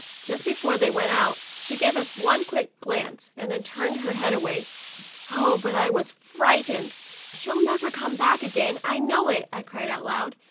Just before they went out, she gave us one quick glance, then turned her head away. Oh, but I was frightened !" She'll never come back again, I know it!' I cried out loud.